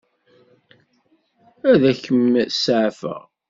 Ad kem-seɛfeɣ?